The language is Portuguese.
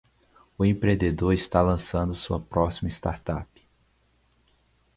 O empreendedor está lançando sua próxima startup.